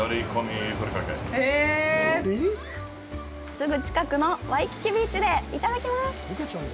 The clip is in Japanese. すぐ近くのワイキキビーチでいただきます。